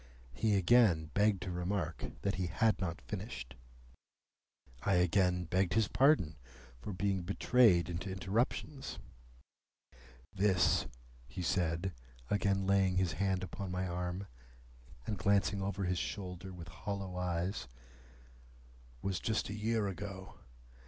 He again begged to remark that he had not finished. I again begged his pardon for being betrayed into interruptions. "This," he said, again laying his hand upon my arm, and glancing over his shoulder with hollow eyes, "was just a year ago.